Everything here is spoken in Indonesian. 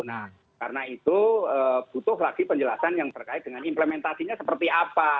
nah karena itu butuh lagi penjelasan yang terkait dengan implementasinya seperti apa